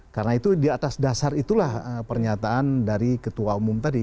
karena itu di atas dasar itulah pernyataan dari ketua umum tadi